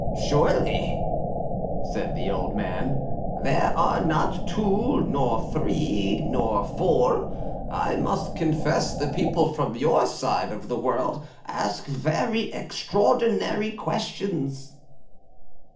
"Surely," said the old man, "there are not two, nor three, nor four. I must confess the people from your side of the world ask very extraordinary questions."